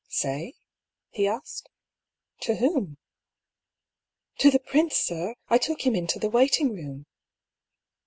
" Say ?" he asked. " To whom ?"" To the prince, sir I I took him into the waiting room."